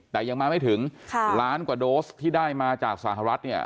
แต่ยังมาไม่ถึงล้านกว่าโดสที่ได้มาจากสหรัฐเนี่ย